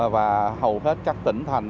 và hầu hết các tỉnh thành